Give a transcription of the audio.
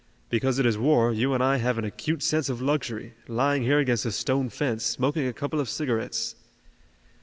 Because it is war you and I have an acute sense of luxury, lying here against a stone fence, smoking a couple of cigarettes."